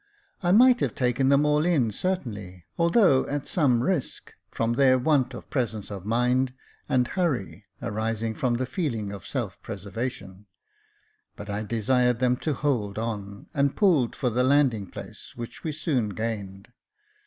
I might have taken them all in certainly, although at some risk, from their want of presence of mind and hurry, arising from the feeling of self preservation ; but I desired them to hold on, and pulled for the landing place, which we soon gained.